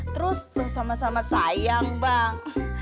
terus tuh sama sama sayang bang